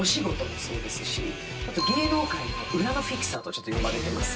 あと芸能界の裏のフィクサーとちょっと呼ばれてます。